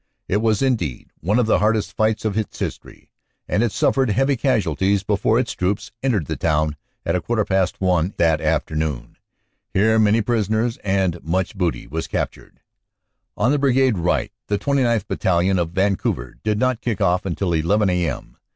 It was indeed one of the hardest fights of its history, and it suffered heavy casualties before its troops entered the town at a quarter past one that afternoon. Here many prisoners and much booty was captured. OPERATIONS: AUG. 9 11 57 On the Brigade right, the 29th. Battalion, of Vancouver, did not kick off until 11 a.m.